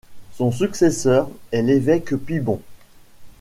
Son successeur est l'évêque Pibon.